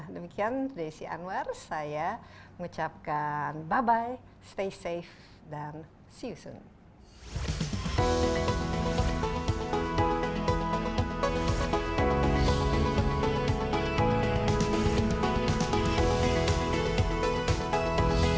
demikian desi anwar saya mengucapkan bye bye stay safe dan see you soon